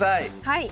はい。